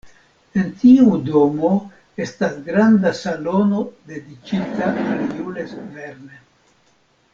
En tiu domo estas granda salono dediĉita al Jules Verne.